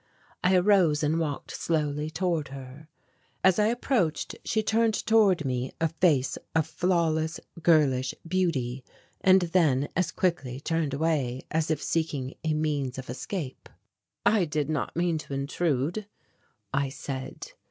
I arose and walked slowly toward her. As I approached she turned toward me a face of flawless girlish beauty, and then as quickly turned away as if seeking a means of escape. "I did not mean to intrude," I said.